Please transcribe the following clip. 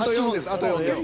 あと４です。